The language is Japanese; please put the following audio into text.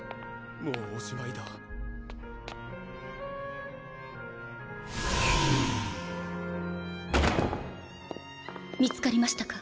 もうおしまいだ・バタン見つかりました